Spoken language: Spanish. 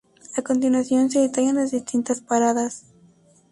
A continuación se detallan las distintas paradas.